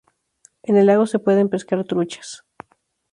En el lago se pueden pescar truchas.